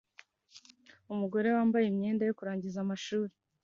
Umugore wambaye imyenda yo kurangiza amashuri